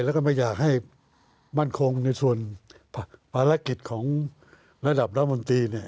แล้วก็ไม่อยากให้มั่นคงในส่วนภารกิจของระดับรัฐมนตรีเนี่ย